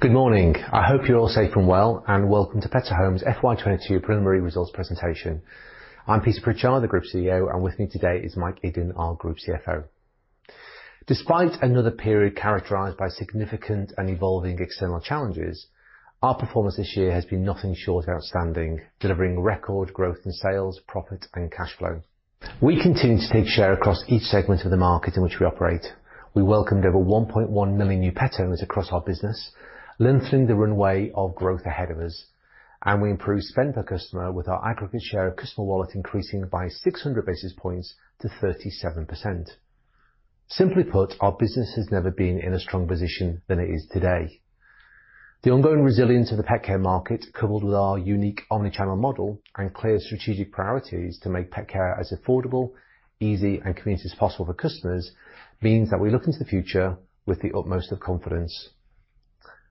Good morning. I hope you're all safe and well, and welcome to Pets at Home's FY 2022 Preliminary Results Presentation. I'm Peter Pritchard, the Group CEO, and with me today is Mike Iddon, our Group CFO. Despite another period characterized by significant and evolving external challenges, our performance this year has been nothing short of outstanding, delivering record growth in sales, profit, and cash flow. We continue to take share across each segment of the market in which we operate. We welcomed over 1.1 million new pet owners across our business, lengthening the runway of growth ahead of us, and we improved spend per customer with our aggregate share of customer wallet increasing by 600 basis points to 37%. Simply put, our business has never been in a stronger position than it is today. The ongoing resilience of the pet care market, coupled with our unique omni-channel model and clear strategic priorities to make pet care as affordable, easy and convenient as possible for customers, means that we look into the future with the utmost of confidence.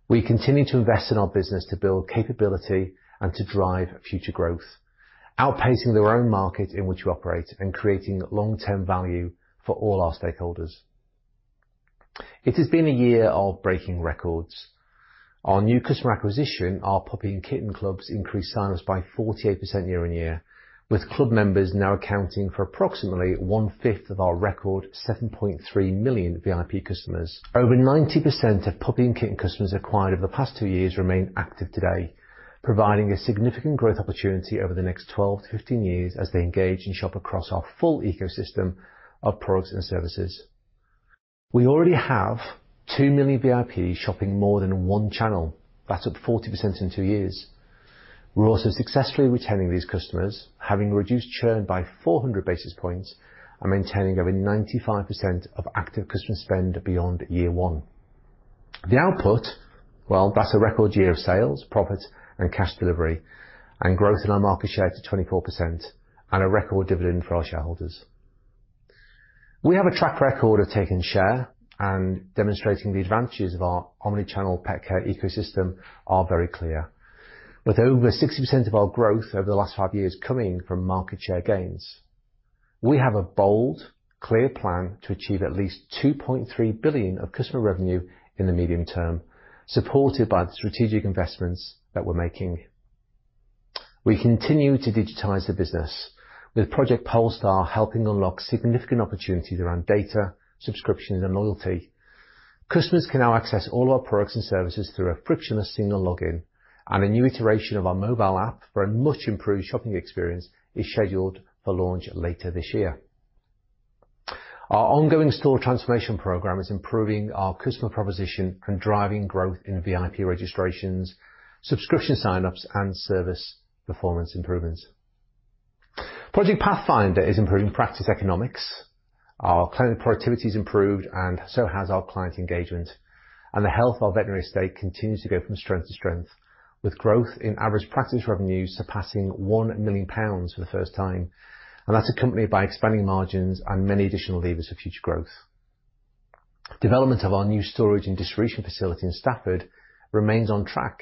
We continue to invest in our business to build capability and to drive future growth, outpacing their own market in which we operate and creating long-term value for all our stakeholders. It has been a year of breaking records. Our new customer acquisition, our Puppy and Kitten Club, increased sign-ups by 48% year-on-year, with club members now accounting for approximately one-fifth of our record 7.3 million VIP customers. Over 90% of puppy and kitten customers acquired over the past two years remain active today, providing a significant growth opportunity over the next 12-15 years as they engage and shop across our full ecosystem of products and services. We already have 2 million VIPs shopping more than one channel. That's up 40% in two years. We're also successfully retaining these customers, having reduced churn by 400 basis points and maintaining over 95% of active customer spend beyond year one. The output, well, that's a record year of sales, profit, and cash delivery, and growth in our market share to 24% and a record dividend for our shareholders. We have a track record of taking share and demonstrating the advantages of our omni-channel pet care ecosystem are very clear. With over 60% of our growth over the last five years coming from market share gains, we have a bold, clear plan to achieve at least 2.3 billion of customer revenue in the medium term, supported by the strategic investments that we're making. We continue to digitize the business with Project Polestar helping unlock significant opportunities around data, subscriptions, and loyalty. Customers can now access all our products and services through a frictionless single login, and a new iteration of our mobile app for a much improved shopping experience is scheduled for launch later this year. Our ongoing store transformation program is improving our customer proposition and driving growth in VIP registrations, subscription sign-ups, and service performance improvements. Project Pathfinder is improving practice economics. Our client productivity is improved and so has our client engagement, and the health of our veterinary estate continues to go from strength to strength, with growth in average practice revenue surpassing 1 million pounds for the first time. That's accompanied by expanding margins and many additional levers for future growth. Development of our new storage and distribution facility in Stafford remains on track,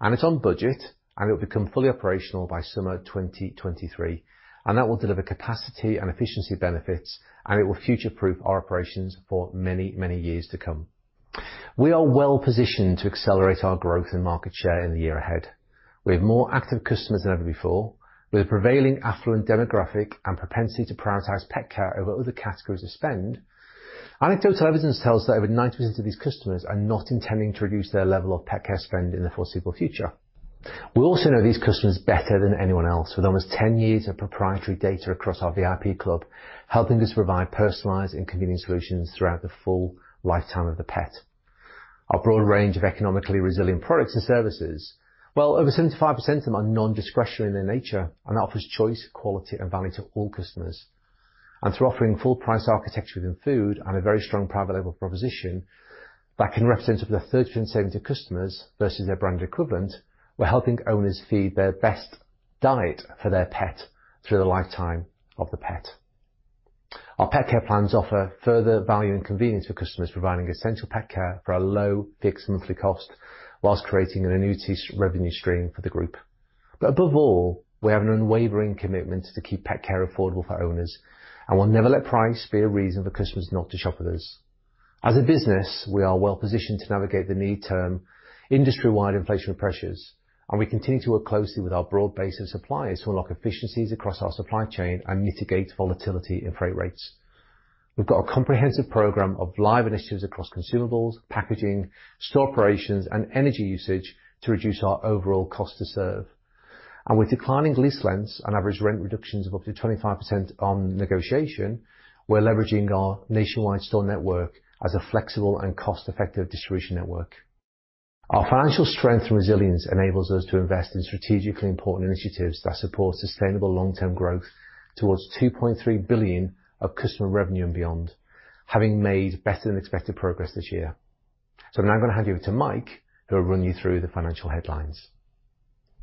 and it's on budget, and it will become fully operational by summer 2023. That will deliver capacity and efficiency benefits, and it will future-proof our operations for many, many years to come. We are well-positioned to accelerate our growth in market share in the year ahead. We have more active customers than ever before. With prevailing affluent demographic and propensity to prioritize pet care over other categories of spend, anecdotal evidence tells us that over 90% of these customers are not intending to reduce their level of pet care spend in the foreseeable future. We also know these customers better than anyone else, with almost 10 years of proprietary data across our VIP club helping us provide personalized and convenient solutions throughout the full lifetime of the pet. Our broad range of economically resilient products and services, well, over 75% of them are non-discretionary in nature and offers choice, quality, and value to all customers. Through offering full price architecture within food and a very strong private label proposition that can represent up to 30% saving to customers versus their brand equivalent, we're helping owners feed their best diet for their pet through the lifetime of the pet. Our Pet Care Plans offer further value and convenience for customers providing essential pet care for a low fixed monthly cost while creating an annuity revenue stream for the group. Above all, we have an unwavering commitment to keep pet care affordable for owners, and we'll never let price be a reason for customers not to shop with us. As a business, we are well positioned to navigate the near term, industry-wide inflation pressures, and we continue to work closely with our broad base of suppliers to unlock efficiencies across our supply chain and mitigate volatility in freight rates. We've got a comprehensive program of live initiatives across consumables, packaging, store operations, and energy usage to reduce our overall cost to serve. With declining lease lengths and average rent reductions of up to 25% on negotiation, we're leveraging our nationwide store network as a flexible and cost-effective distribution network. Our financial strength and resilience enables us to invest in strategically important initiatives that support sustainable long-term growth towards 2.3 billion of customer revenue and beyond, having made better than expected progress this year. I'm now gonna hand you to Mike, who will run you through the financial headlines.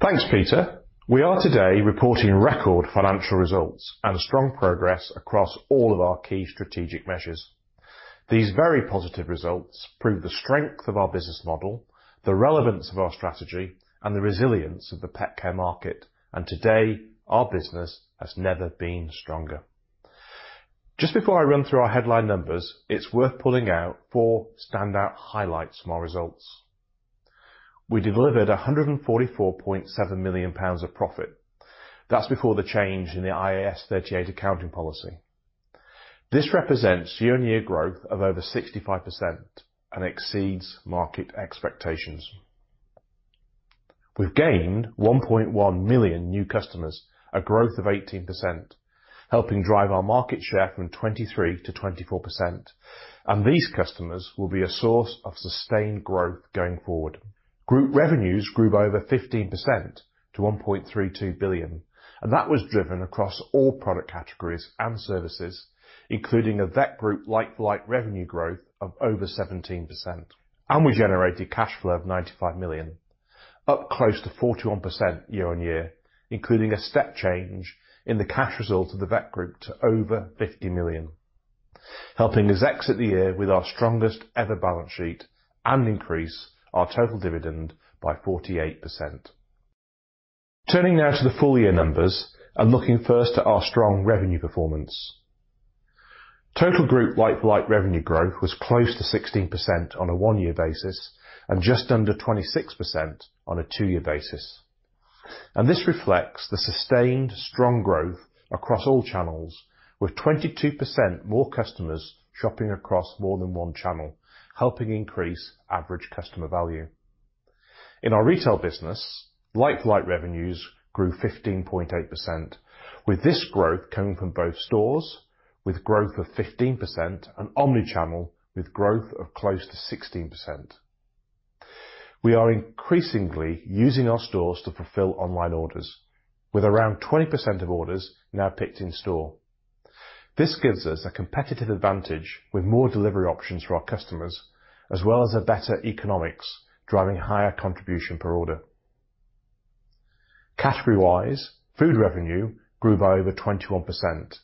Thanks, Peter. We are today reporting record financial results and strong progress across all of our key strategic measures. These very positive results prove the strength of our business model, the relevance of our strategy, and the resilience of the pet care market. Today, our business has never been stronger. Just before I run through our headline numbers, it's worth pulling out four standout highlights from our results. We delivered 144.7 million pounds of profit. That's before the change in the IAS 38 accounting policy. This represents year-on-year growth of over 65% and exceeds market expectations. We've gained 1.1 million new customers, a growth of 18%, helping drive our market share from 23%-24%, and these customers will be a source of sustained growth going forward. Group revenues grew by over 15% to 1.32 billion, and that was driven across all product categories and services, including a Vet Group like-for-like revenue growth of over 17%. We generated cash flow of 95 million, up close to 41% year-on-year, including a step change in the cash results of the Vet Group to over 50 million, helping us exit the year with our strongest ever balance sheet and increase our total dividend by 48%. Turning now to the full year numbers and looking first at our strong revenue performance. Total group like-for-like revenue growth was close to 16% on a one-year basis and just under 26% on a two-year basis. This reflects the sustained strong growth across all channels with 22% more customers shopping across more than one channel, helping increase average customer value. In our retail business, like-for-like revenues grew 15.8%. With this growth coming from both stores with growth of 15% and omni-channel with growth of close to 16%. We are increasingly using our stores to fulfill online orders with around 20% of orders now picked in store. This gives us a competitive advantage with more delivery options for our customers as well as a better economics driving higher contribution per order. Category-wise, food revenue grew by over 21%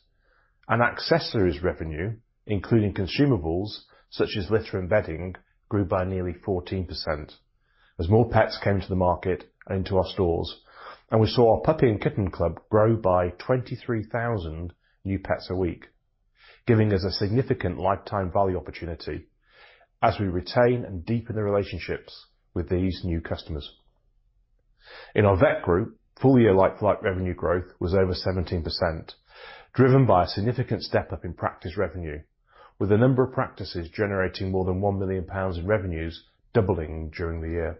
and accessories revenue, including consumables such as litter and bedding, grew by nearly 14% as more pets came to the market into our stores, and we saw our Puppy & Kitten Club grow by 23,000 new pets a week, giving us a significant lifetime value opportunity as we retain and deepen the relationships with these new customers. In our Vet Group, full year like-for-like revenue growth was over 17%, driven by a significant step-up in practice revenue, with a number of practices generating more than 1 million pounds in revenues doubling during the year.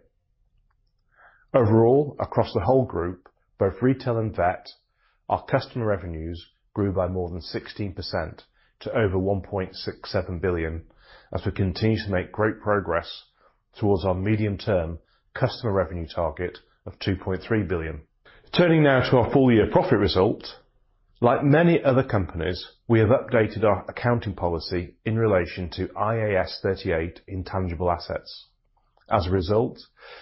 Overall, across the whole group, both retail and vet, our customer revenues grew by more than 16% to over 1.67 billion as we continue to make great progress towards our medium-term customer revenue target of 2.3 billion. Turning now to our full year profit result, like many other companies, we have updated our accounting policy in relation to IAS 38 Intangible Assets. As a result,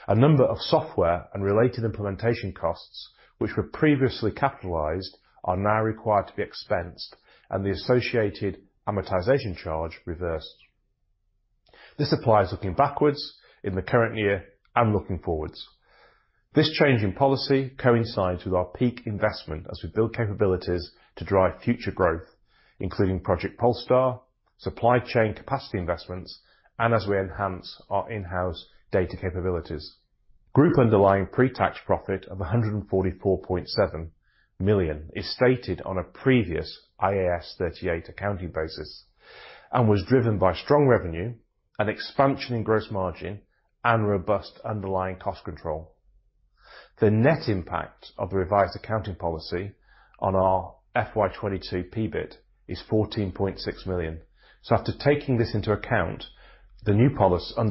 a number of software and related implementation costs which were previously capitalized are now required to be expensed and the associated amortization charge reversed. This applies looking backwards in the current year and looking forwards. This change in policy coincides with our peak investment as we build capabilities to drive future growth, including Project Polestar, supply chain capacity investments, and as we enhance our in-house data capabilities. Group underlying pre-tax profit of 144.7 million is stated on a previous IAS 38 accounting basis and was driven by strong revenue, an expansion in gross margin, and robust underlying cost control. The net impact of the revised accounting policy on our FY 2022 PBIT is 14.6 million. After taking this into account, under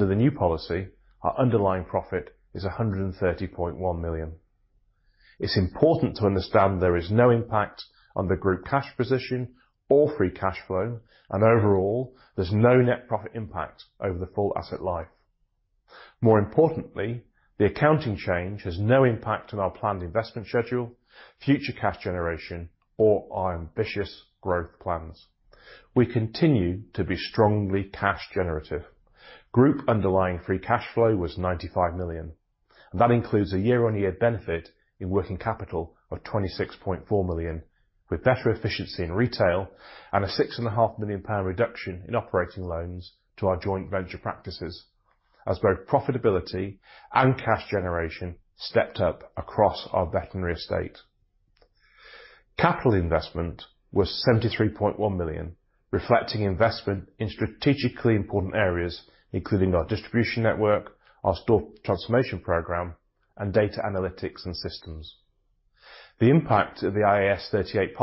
the new policy, our underlying profit is 130.1 million. It's important to understand there is no impact on the group cash position or free cash flow, and overall, there's no net profit impact over the full asset life. More importantly, the accounting change has no impact on our planned investment schedule, future cash generation, or our ambitious growth plans. We continue to be strongly cash generative. Group underlying free cash flow was 95 million. That includes a year-on-year benefit in working capital of 26.4 million, with better efficiency in retail and a 6.5 million pound reduction in operating loans to our joint venture practices as both profitability and cash generation stepped up across our veterinary estate. Capital investment was 73.1 million, reflecting investment in strategically important areas, including our distribution network, our store transformation program, and data analytics and systems. The impact of the IAS 38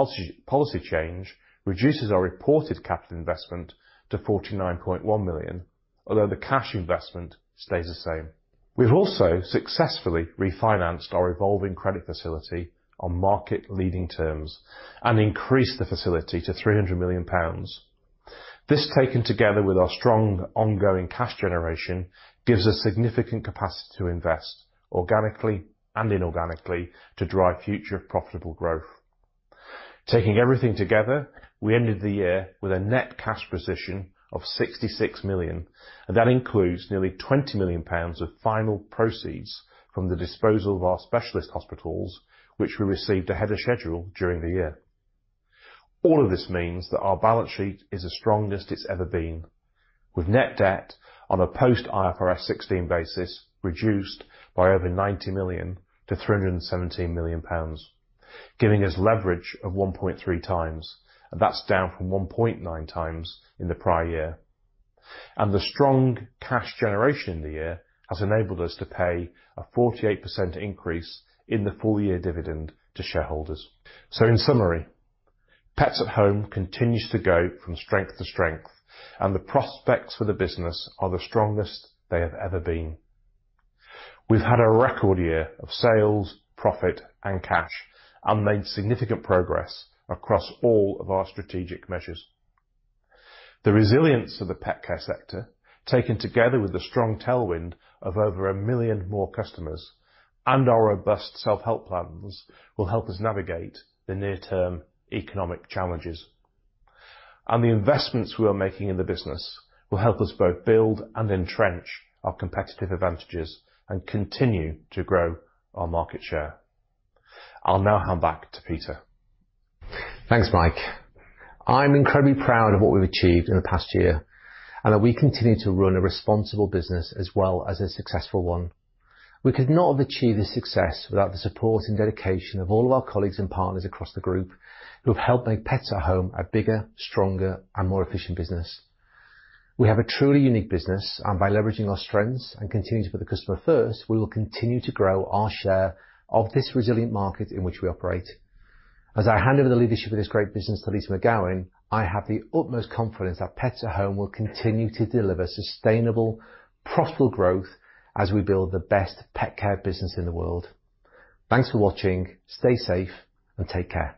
policy change reduces our reported capital investment to 49.1 million, although the cash investment stays the same. We've also successfully refinanced our revolving credit facility on market leading terms and increased the facility to 300 million pounds. This, taken together with our strong ongoing cash generation, gives us significant capacity to invest organically and inorganically to drive future profitable growth. Taking everything together, we ended the year with a net cash position of 66 million, and that includes nearly 20 million pounds of final proceeds from the disposal of our specialist hospitals which we received ahead of schedule during the year. All of this means that our balance sheet is the strongest it's ever been, with net debt on a post IFRS 16 basis reduced by over 90 million to 317 million pounds, giving us leverage of 1.3x. That's down from 1.9x in the prior year. The strong cash generation in the year has enabled us to pay a 48% increase in the full year dividend to shareholders. In summary, Pets at Home continues to go from strength to strength, and the prospects for the business are the strongest they have ever been. We've had a record year of sales, profit, and cash, and made significant progress across all of our strategic measures. The resilience of the pet care sector, taken together with the strong tailwind of over a million more customers and our robust self-help plans, will help us navigate the near-term economic challenges. The investments we are making in the business will help us both build and entrench our competitive advantages and continue to grow our market share. I'll now hand back to Peter. Thanks, Mike. I'm incredibly proud of what we've achieved in the past year, and that we continue to run a responsible business as well as a successful one. We could not have achieved this success without the support and dedication of all of our colleagues and partners across the group who have helped make Pets at Home a bigger, stronger, and more efficient business. We have a truly unique business, and by leveraging our strengths and continuing to put the customer first, we will continue to grow our share of this resilient market in which we operate. As I hand over the leadership of this great business to Lyssa McGowan, I have the utmost confidence that Pets at Home will continue to deliver sustainable, profitable growth as we build the best pet care business in the world. Thanks for watching. Stay safe, and take care.